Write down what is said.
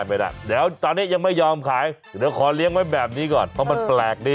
พี่ยอมขายเดี๋ยวขอเลี้ยงไว้แบบนี้ก่อนเพราะมันแปลกดิ